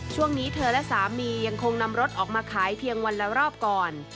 ช่วงนี้เธอและสามียังคงนำรถออกมาขายเพียงวันละรอบก่อน